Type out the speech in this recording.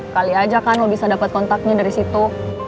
kali aja kan lo bisa dapat kontaknya dari situ